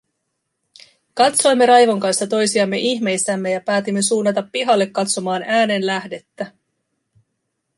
Katsoimme Raivon kanssa toisiamme ihmeissämme ja päätimme suunnata pihalle katsomaan äänen lähdettä.